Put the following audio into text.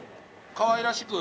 かわいらしく。